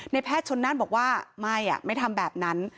แพทย์ชนนั่นบอกว่าไม่ไม่ทำแบบนั้น